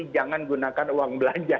jangan gunakan uang belanja